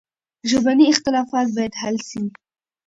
ژبني اختلافات باید حل سي.